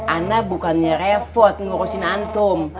ana bukannya repot ngurusin antum